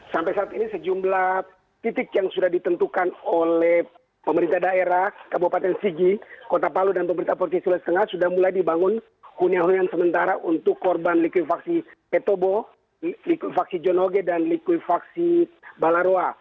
sampai saat ini sejumlah titik yang sudah ditentukan oleh pemerintah daerah kabupaten sigi kota palu dan pemerintah provinsi sulawesi tengah sudah mulai dibangun hunian hunian sementara untuk korban likuifaksi petobo liku faksi jonoge dan likuifaksi balaroa